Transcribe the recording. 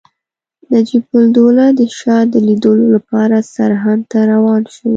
نجیب الدوله د شاه د لیدلو لپاره سرهند ته روان شوی.